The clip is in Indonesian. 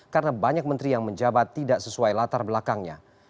karena banyak menteri yang menjabat tidak sesuai latar belakangnya